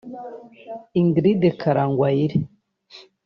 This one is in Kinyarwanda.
Ingrid Karangwayire